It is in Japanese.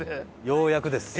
ようやく？